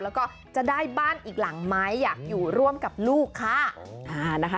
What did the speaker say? แล้วก็จะได้บ้านอีกหลังไหมอยู่ร่วมกับลูกค่ะ